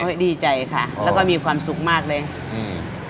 ก็ดีใจค่ะแล้วก็มีความสุขมากเลยอืม